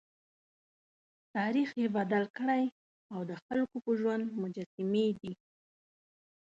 تاریخ یې بدل کړی او د خلکو په ژوند مجسمې دي.